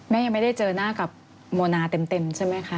ยังไม่ได้เจอหน้ากับโมนาเต็มใช่ไหมคะ